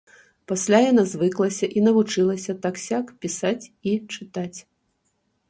Пасля яна звыклася і навучылася так-сяк пісаць і чытаць.